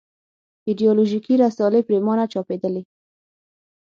ایدیالوژیکې رسالې پرېمانه چاپېدلې.